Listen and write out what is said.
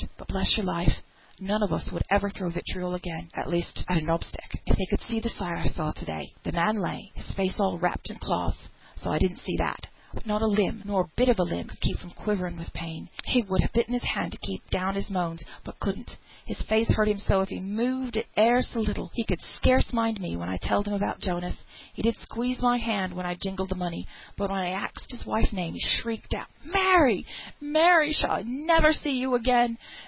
But bless your life, none on us would ever throw vitriol again (at least at a knob stick) if they could see the sight I saw to day. The man lay, his face all wrapped in cloths, so I didn't see that; but not a limb, nor a bit of a limb, could keep from quivering with pain. He would ha' bitten his hand to keep down his moans, but couldn't, his face hurt him so if he moved it e'er so little. He could scarce mind me when I telled him about Jonas; he did squeeze my hand when I jingled the money, but when I axed his wife's name he shrieked out, 'Mary, Mary, shall I never see you again?